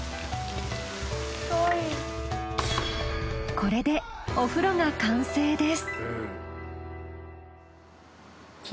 これでお風呂が完成です。